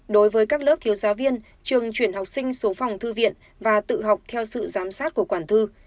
đối với các lớp thiếu giáo viên trường chuyển học sinh xuống phòng thư viện và tự học theo sự giám sát của quản thư